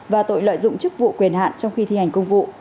và tội lợi dụng chức vụ quyền hạn trong khi thi hành công vụ